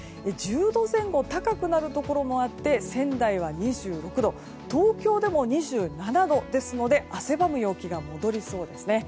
１０度前後高くなるところもあって仙台は２６度東京でも２７度ですので汗ばむ陽気が戻りそうです。